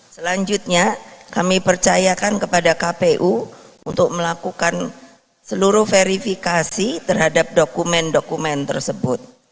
selanjutnya kami percayakan kepada kpu untuk melakukan seluruh verifikasi terhadap dokumen dokumen tersebut